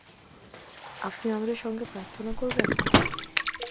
আপনি আমাদের সঙ্গে প্রার্থনা করবেন?